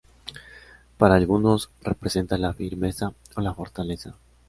Para algunos, representa la firmeza o la fortaleza.